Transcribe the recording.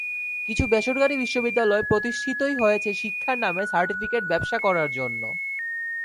কিছু বেসরকারি বিশ্ববিদ্যালয় প্রতিষ্ঠিতই হয়েছে শিক্ষার নামে সার্টিফিকেট ব্যবসা করার জন্য।